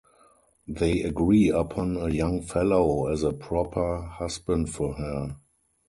They agree upon a young fellow as a proper husband for her.